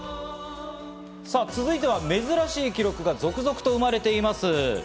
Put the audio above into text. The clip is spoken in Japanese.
さぁ、続いては珍しい記録が続々と生まれています。